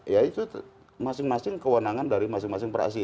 ya itu masing masing kewenangan dari masing masing praksi